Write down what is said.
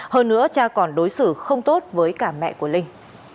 hơn nữa cha còn đối xử không tốt với cả mẹ của linh